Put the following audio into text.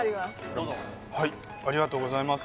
どうぞはいありがとうございます